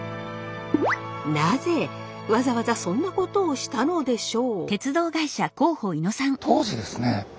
なぜわざわざそんなことをしたのでしょう。